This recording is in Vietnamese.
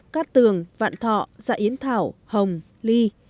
cát tường vạn thọ dạ yến thảo hồng ly